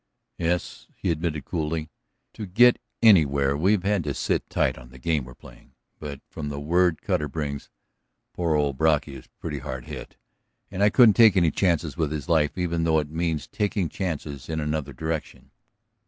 "Yes," he admitted coolly. "To get anywhere we've had to sit tight on the game we're playing. But, from the word Cutter brings, poor old Brocky is pretty hard hit, and I couldn't take any chances with his life even though it means taking chances in another direction."